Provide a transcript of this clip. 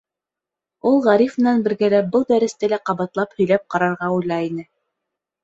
Ул Ғариф менән бергәләп был дәресте лә ҡабатлап һөйләп ҡарарға уйлай ине.